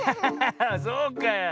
そうかあ。